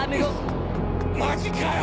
マジかよ！